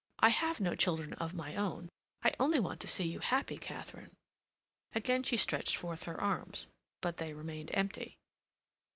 I have no children of my own. I only want to see you happy, Katharine." Again she stretched forth her arms, but they remained empty.